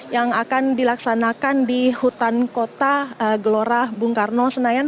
yang akan dilaksanakan di hutan kota gelora bung karno senayan